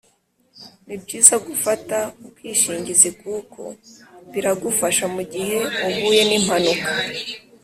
Nibyiza gufata ubwishingizi kuko biragufasha mugihe uhuye nimpanuka